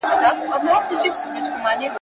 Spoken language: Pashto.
نه هنر وي چا ته پاته د لوستلو !.